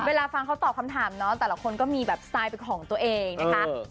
เวลาฟังเขาตอบคำถามเนาะแต่ละคนก็มีแบบสไตล์เป็นของตัวเองนะคะ